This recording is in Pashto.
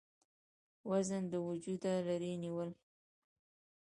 وزن د وجوده لرې نيول ،